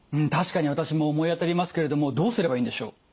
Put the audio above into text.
確かに私も思い当たりますけれどもどうすればいいんでしょう。